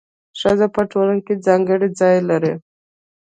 ښځه په ټولنه کي ځانګړی ځای لري.